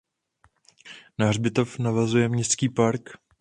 Na hřbitov navazuje městský park.